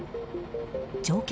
乗客